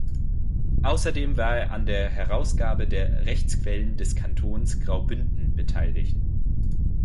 Ausserdem war er an der Herausgabe der "Rechtsquellen des Kantons Graubünden" beteiligt.